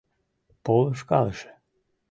Полышкалыше.